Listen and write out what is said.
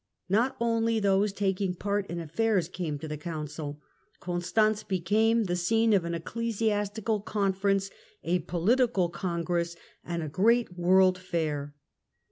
Not only those taking part in affairs came to the Council ; Constance became the scene of an ecclesiastical con ference, a political congress and a great world fair.